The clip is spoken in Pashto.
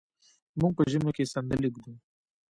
موږ په ژمي کې صندلی ږدو.